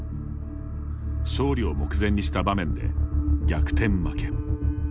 勝利を目前にした場面で逆転負け。